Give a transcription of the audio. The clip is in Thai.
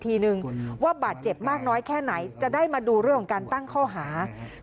ทีนึงว่าบาดเจ็บมากน้อยแค่ไหนจะได้มาดูเรื่องของการตั้งข้อหา